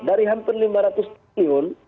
dari hampir lima ratus triliun